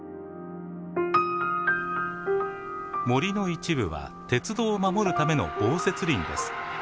森の一部は鉄道を守るための防雪林です。